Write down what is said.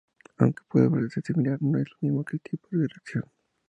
Aunque pueda parecer similar, no es lo mismo que el tiempo de reacción.